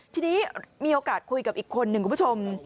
ทีนี้มีโอกาสคุยกับอีกคนหนึ่งคุณผู้ชม